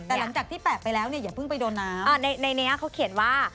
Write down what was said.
แต่หลังจากที่แปะไปแล้วเนี่ยอย่าเพิ่งไปโดนน้ำในนี้เขาเขียนว่า